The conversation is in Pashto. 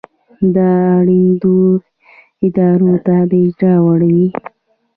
دا اړوندو ادارو ته د اجرا وړ وي.